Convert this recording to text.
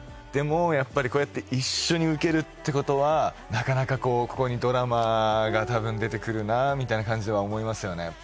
でもやっぱりこうやって一緒に受けるってことはなかなかこうここにドラマがたぶん出てくるなみたいな感じは思いますよね。